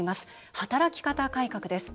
働き方改革です。